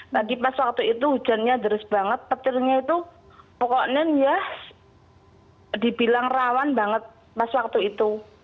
nah pas waktu itu hujannya deris banget petirnya itu pokoknya ya dibilang rawan banget pas waktu itu